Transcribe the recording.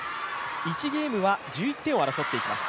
１ゲームは１１点を争っています。